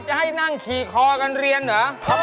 จะให้นั่งขี่คอกันเรียนเหรอ